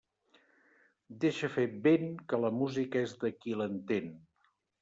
Deixa fer vent, que la música és de qui l'entén.